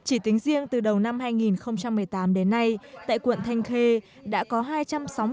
chỉ tính riêng từ đầu năm hai nghìn một mươi tám đến nay tại quận thanh khê đã có hai trăm sáu mươi tám hộ gia đình